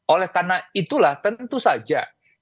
oleh karena itulah tentu saja